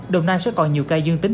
đồng nai sẽ còn nhiều ca dương tính